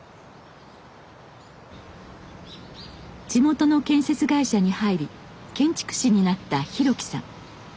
地元の建設会社に入り建築士になった博樹さん。